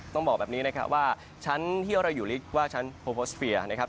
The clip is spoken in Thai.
ต้องบอกแบบนี้นะคะว่าชั้นที่เราอยู่ว่าชั้นนะครับ